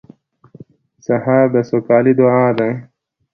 سهار د سوکالۍ دعا ده.